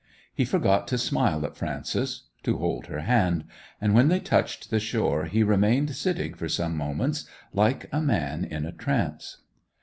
He forgot to smile at Frances, to hold her hand; and when they touched the shore he remained sitting for some moments like a man in a trance.